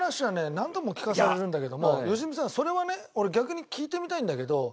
何度も聞かされるんだけども良純さんそれはね俺逆に聞いてみたいんだけど。